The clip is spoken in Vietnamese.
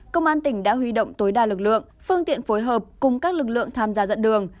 công an tỉnh đã huy động tối đa lực lượng phương tiện phối hợp cùng các lực lượng tham gia dẫn đường